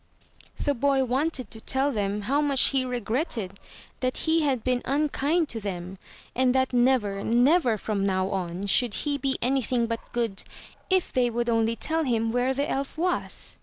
The boy wanted to tell them how much he regretted that he had been unkind to them; and that never, never, from now on, should he be anything but good, if they would only tell him where the elf was.